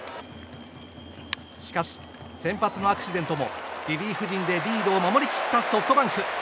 しかし、先発のアクシデントもリリーフ陣でリードを守り切ったソフトバンク。